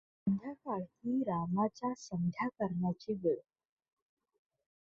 संध्याकाळ ही रावणाच्या संध्या करण्याची वेळ.